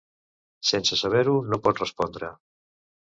Sense saber-ho, no pot respondre.